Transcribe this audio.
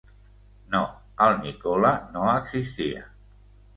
No, el Nicola, no existia.